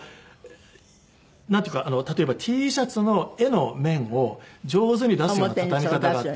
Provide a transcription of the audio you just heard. なんていうか例えばＴシャツの絵の面を上手に出すような畳み方があって。